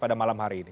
pada malam hari ini